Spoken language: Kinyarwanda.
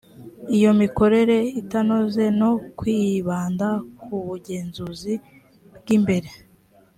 iyo mikorere itanoze no kwibanda ku bugenzuzi bw imbere